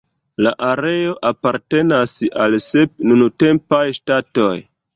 La areo apartenas al sep nuntempaj ŝtatoj.